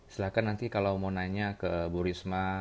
silahkan nanti kalau mau nanya ke bu risma